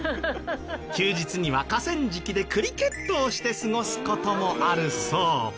休日には河川敷でクリケットをして過ごす事もあるそう。